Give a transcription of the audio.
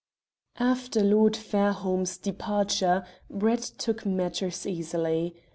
After Lord Fairholme's departure, Brett took matters easily.